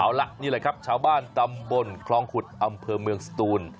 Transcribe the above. เอาละนี่แหละครับชาวบ้านตำบลคลองขุดอำเภอเมืองสตูน